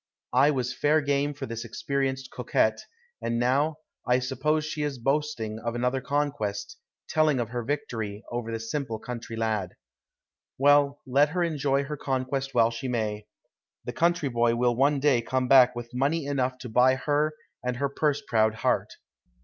I was fair game for this experienced coquette, and now I suppose she is boasting of another conquest, telling of her victory over the simple country lad. Well, let her enjoy her conquest while she may. The country boy will one day come back with money enough to buy her and her purse proud heart.